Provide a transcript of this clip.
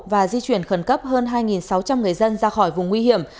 và di chuyển khẩn cấp hơn hai sáu trăm linh người dân ra khỏi vùng nguy hiểm